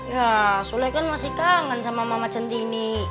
ya sule kan masih kangen sama mama centini